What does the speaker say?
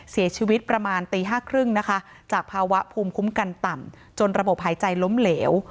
เสียชีวิตประมาณตี๕๓๐นะคะจากภาวะภูมิคุ้มกันต่ำจนระบบหายใจล้มเหลว